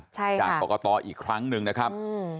ใช่ค่ะจากปกติอีกครั้งนึงนะครับ